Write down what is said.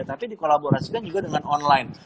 tapi dikolaborasikan juga dengan online